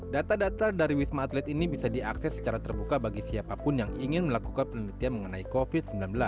data data dari wisma atlet ini bisa diakses secara terbuka bagi siapapun yang ingin melakukan penelitian mengenai covid sembilan belas